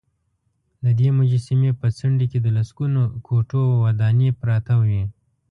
ددې مجسمې په څنډې کې د لسګونو کوټو ودانې پراته وې.